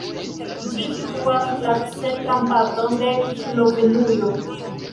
Ĝi situas la centran parton de Slovenujo.